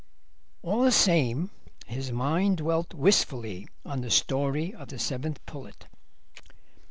All the same his mind dwelt wistfully on the story of the Seventh Pullet.